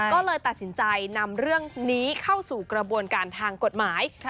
ก็เลยตัดสินใจนำเรื่องนี้เข้าสู่กระบวนการทางกฎหมาย